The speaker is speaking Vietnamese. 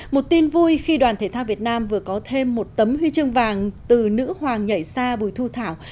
một tin vui khi đoàn thể thao việt nam vừa có thêm một tấm huy chương vàng từ nữ hoàng nhảy sa bùi thu thảo